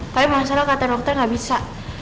tapi malah salah kata dokter gak bisa